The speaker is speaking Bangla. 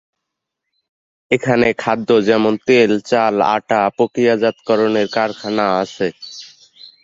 এখানে খাদ্য যেমন তেল, চাল, আটা প্রক্রিয়াজাতকরণের কারখানা আছে।